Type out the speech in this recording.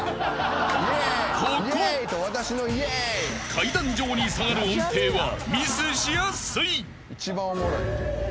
［階段状に下がる音程はミスしやすい］